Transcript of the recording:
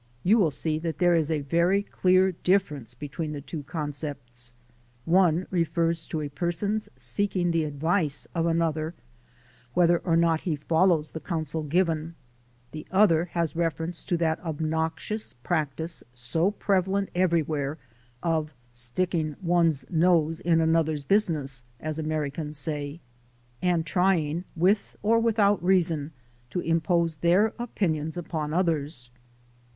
You will see that there is a very clear difference between the two concepts : one refers to a person's seeking the advice of an other, whether or not he follows the counsel given; the other has reference to that obnoxious practice so prevalent everywhere of "sticking one's nose in another's business," as Americans say, and trying, with or without reason, to impose their opinions upon others.